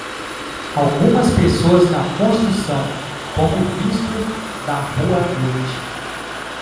Algumas pessoas na construção como visto da rua à noite.